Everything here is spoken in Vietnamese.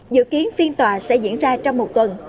dự kiến phiên tòa sẽ diễn ra trong một tuần